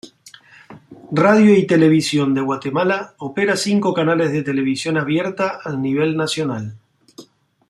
Radio y Televisión de Guatemala opera cinco canales de televisión abierta al nivel nacional.